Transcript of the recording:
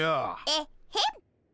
エッヘン。